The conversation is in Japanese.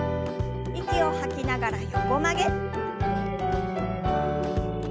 息を吐きながら横曲げ。